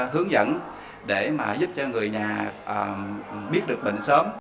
hướng dẫn để mà giúp cho người nhà biết được bệnh sớm